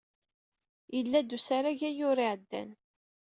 Yella-d usarag ayyur iɛeddan.